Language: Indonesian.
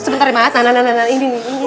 sebentar ya maaf